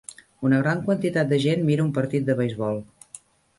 Una gran quantitat de gent mira un partit de beisbol.